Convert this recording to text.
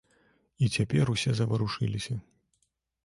І цяпер усе заварушыліся.